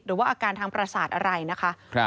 หรือว่าอาการทางประสาทอะไรนะคะ